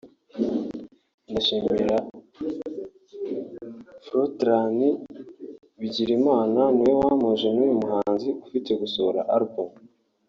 ndashimira Fortran Bigirimana ni we wampuje n’uyu muhanzi ufite gusohora album